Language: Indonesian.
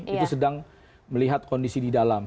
itu sedang melihat kondisi di dalam